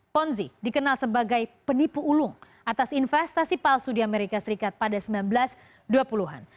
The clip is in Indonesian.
ponzi dikenal sebagai penipu ulung atas investasi palsu di amerika serikat pada seribu sembilan ratus dua puluh an